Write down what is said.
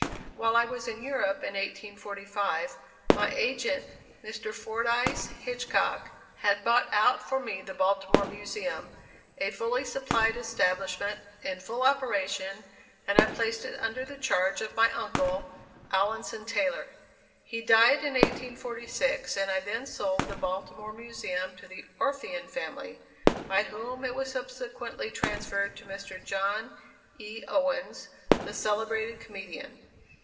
While I was in Europe, in 1845, my agent, Mr. Fordyce Hitchcock, had bought out for me the Baltimore Museum, a fully supplied establishment, in full operation, and I placed it under the charge of my uncle, Alanson Taylor. He died in 1846, and I then sold the Baltimore Museum to the "Orphean Family," by whom it was subsequently transferred to Mr. John E. Owens, the celebrated comedian.